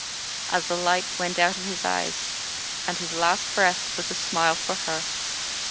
as the light went out of his eyes, and his last breath was a smile for her.